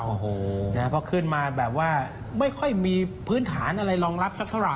โอ้โหก็ขึ้นมาแบบว่าไม่ค่อยมีพื้นฐานอะไรรองรับสักเท่าไห